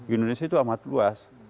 indonesia itu amat luas